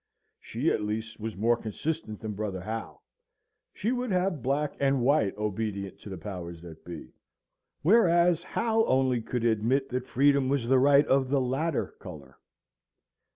She at least was more consistent than brother Hal. She would have black and white obedient to the powers that be: whereas Hal only could admit that freedom was the right of the latter colour.